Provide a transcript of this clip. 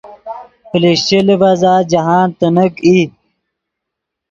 پلشچے لیڤزا جاہند تینیک ای